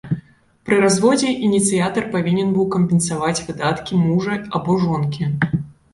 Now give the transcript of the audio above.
Пры разводзе ініцыятар павінен быў кампенсаваць выдаткі мужа або жонкі.